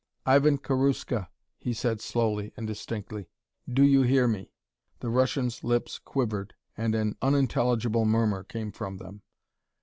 "Ivan Karuska," he said slowly and distinctly, "do you hear me?" The Russian's lips quivered and an unintelligible murmur came from them.